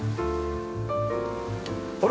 あれ？